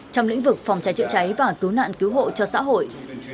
trong lĩnh vực phòng cháy chữa cháy và cứu nạn cứu hộ cho xã hội